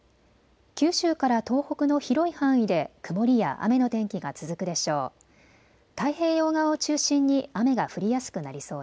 九州から東北の広い範囲で曇りや雨の天気が続くでしょう。